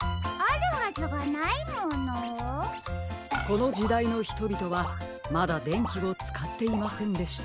このじだいのひとびとはまだでんきをつかっていませんでした。